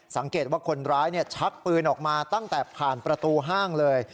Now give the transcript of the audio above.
สังเกตว่าคนร้ายชักปืนออกมาตั้งแต่ผ่านประตูห้างเลย